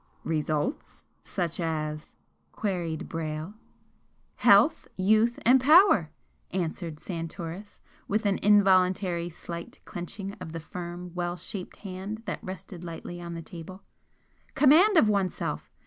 "Results? Such as ?" queried Brayle. "Health, youth and power!" answered Santoris, with an involuntary slight clenching of the firm, well shaped hand that rested lightly on the table, "Command of oneself!